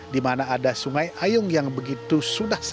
di mana ada sungai ayung yang begitu sudah selesai